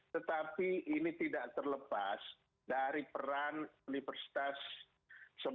tetapi ini tidak terlepas dari peran universitas solo